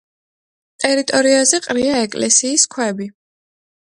ტერიტორიაზე ყრია ეკლესიის ქვები.